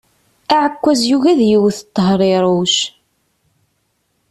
Aɛekkaz yugi ad yewwet Tehriruc.